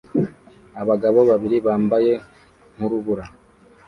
Abagabo babiri bambaye nk'urubura